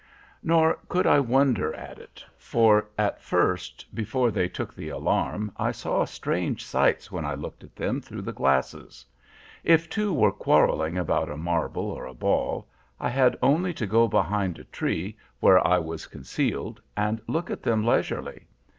"Nor could I wonder at it. For, at first, before they took the alarm, I saw strange sights when I looked at them through the glasses. If two were quarrelling about a marble or a ball, I had only to go behind a tree where I was concealed and look at them leisurely.